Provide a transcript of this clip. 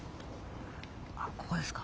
あっここですか。